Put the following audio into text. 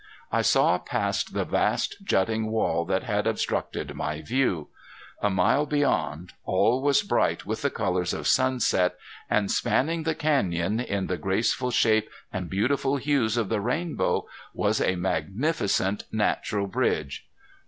I saw past the vast jutting wall that had obstructed my view. A mile beyond, all was bright with the colors of sunset, and spanning the canyon in the graceful shape and beautiful hues of the rainbow was a magnificent natural bridge.